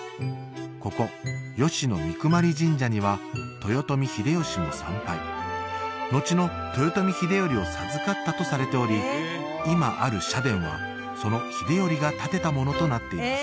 ここ吉野水分神社には豊臣秀吉も参拝のちの豊臣秀頼を授かったとされており今ある社殿はその秀頼が建てたものとなっています